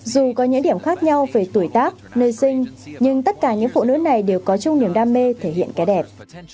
dù có những điểm khác nhau về tuổi tác nơi sinh nhưng tất cả những phụ nữ này đều có chung niềm đam mê thể hiện cái đẹp